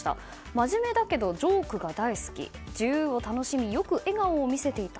真面目だけどジョークが大好き自由を楽しみよく笑顔を見せていた。